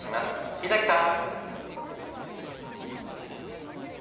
猪崎さん。